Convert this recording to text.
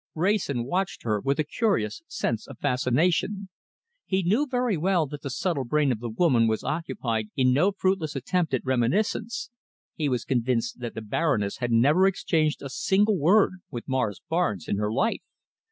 Wrayson watched her with a curious sense of fascination. He knew very well that the subtle brain of the woman was occupied in no fruitless attempt at reminiscence; he was convinced that the Baroness had never exchanged a single word with Morris Barnes in her life.